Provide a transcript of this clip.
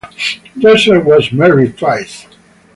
Dresser was married twice.